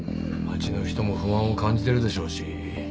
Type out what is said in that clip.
町の人も不安を感じてるでしょうし。